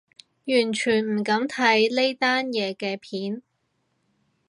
完全唔敢睇呢單嘢嘅片